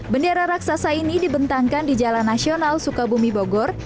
bendera raksasa ini dibentangkan di jalan nasional sukabumi bogor